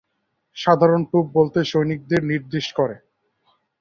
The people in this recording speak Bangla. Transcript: সাধারণত, ট্রুপ বলতে সৈনিকদের নির্দেশ করে।